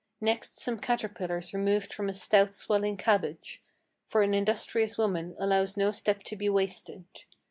Next some caterpillars removed from a stout, swelling cabbage; For an industrious woman allows no step to be wasted.